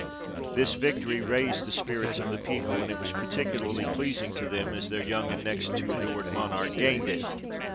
This victory raised the spirits of the people ; and it was particularly pleasing to them, as their young and next to adored Monarch gained it.